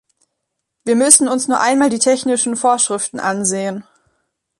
Wir müssen uns nur einmal die technischen Vorschriften ansehen.